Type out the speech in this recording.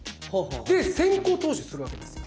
で先行投資するわけですよ。